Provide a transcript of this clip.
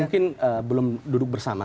mungkin belum duduk bersama